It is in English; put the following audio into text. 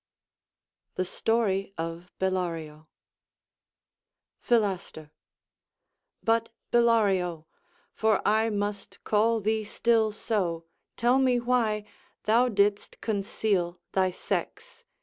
THE STORY OF BELLARIO PHILASTER But, Bellario (For I must call thee still so), tell me why Thou didst conceal thy sex.